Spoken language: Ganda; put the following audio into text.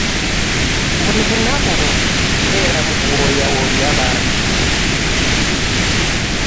Buli lunaku mbeera mu kuwooyawooya bantu.